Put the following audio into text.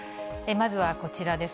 まずはこちらです。